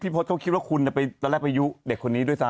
พจน์เขาคิดว่าคุณตอนแรกไปยุเด็กคนนี้ด้วยซ้